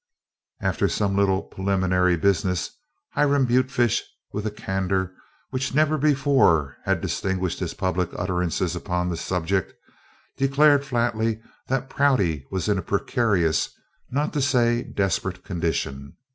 After some little preliminary business, Hiram Butefish, with a candor which never before had distinguished his public utterances upon this subject, declared flatly that Prouty was in a precarious, not to say desperate, condition.